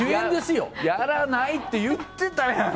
やらないって言ってたやん！